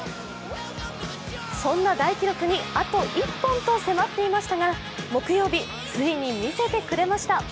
そんな大記録にあと１本と迫っていましたが木曜日、ついに見せてくれました。